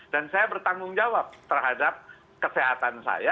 dan saya bertanggung jawab terhadap kesehatan saya